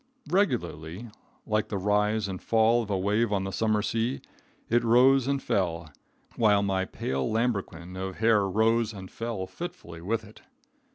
Regularly, like the rise and fall of a wave on the summer sea, it rose and fell, while my pale lambrequin of hair rose and fell fitfully with it.